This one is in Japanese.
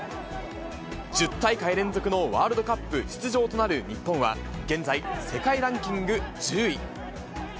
１０大会連続のワールドカップ出場となる日本は、現在世界ランキング１０位。